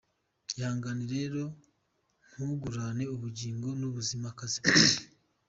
Ihangane rero ntugurane ubugingo n’ubuzima akazi.